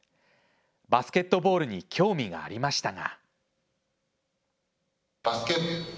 バスケットボールに興味がありましたが。